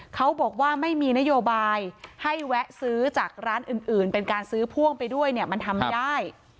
เขาบอกว่าไม่มีนโยบายให้แวะซื้อจากร้านอื่นเป็นการซื้อพ่วงไปด้วยเนี่ยมันทำได้